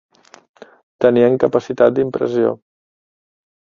Tenien capacitat d'impressió.